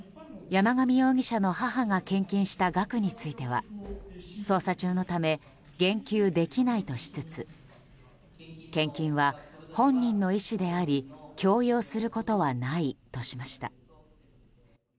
山上容疑者の母が献金した額については捜査中のため言及できないとしつつ献金は本人の意思であり強要することはないとしました。